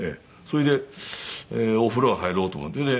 それでお風呂入ろうと思って。